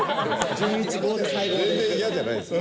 准一、全然嫌じゃないですよ。